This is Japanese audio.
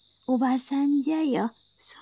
おばさんじゃよ」